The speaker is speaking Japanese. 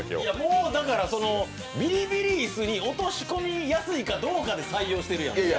ビリビリ椅子に落とし込みやすいかどうかで採用してるやん。